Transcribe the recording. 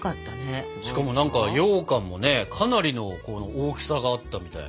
しかもようかんもねかなりの大きさがあったみたいな。